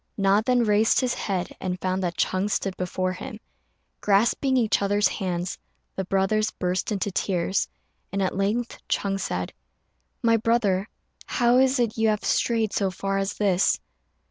Na then raised his head, and found that Ch'êng stood before him. Grasping each other's hands, the brothers burst into tears, and at length Ch'êng said, "My brother, how is it you have strayed so far as this?"